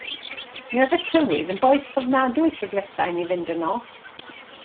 Mi oedd y tywydd yn boeth ofnadwy tro dwytha i ni fynd yno.